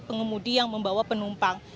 pengemudi yang membawa penumpang